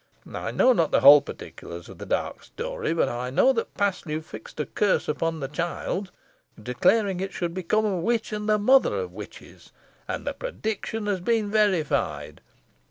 I know not the whole particulars of the dark story, but I know that Paslew fixed a curse upon the child, declaring it should become a witch, and the mother of witches. And the prediction has been verified.